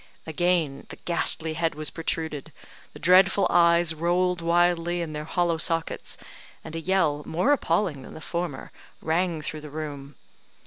Again the ghastly head was protruded the dreadful eyes rolled wildly in their hollow sockets, and a yell more appalling than the former rang through the room.